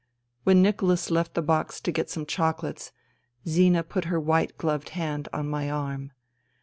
When Nicholas left the box to get some chocolates Zina put her white gloved hand on my arm.